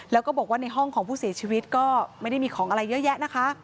แล้วก็บอกว่าในห้องของผู้เสียชีวิตก็ไม่ได้มีของอะไรเยอะแยะนะคะ